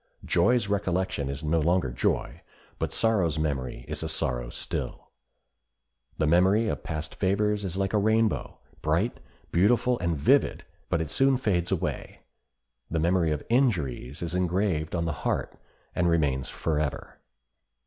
Joy's recollection is no longer joy, but sorrow's memory is a sorrow still. The memory of past favors is like a rainbow—bright, beautiful, and vivid—but it soon fades away; the memory of injuries is engraved on the heart, and remains forever.